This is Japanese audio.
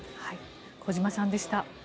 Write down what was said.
小島さんでした。